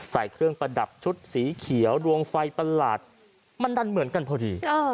ใส่เครื่องประดับชุดสีเขียวดวงไฟประหลาดมันดันเหมือนกันพอดี